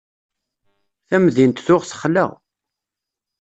Tamdint tuɣ texla.